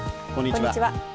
こんにちは。